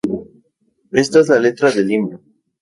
Esta es la letra del himno